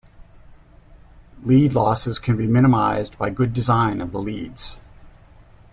Lead losses can be minimized by good design of the leads.